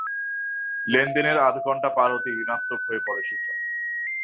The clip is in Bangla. লেনদেনের আধাঘণ্টা পার হতেই ঋণাত্মক হয়ে পড়ে সূচক।